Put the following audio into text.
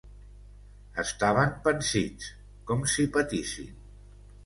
Estaven pansits, com si patissin.